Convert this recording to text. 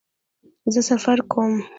زه سفر کوم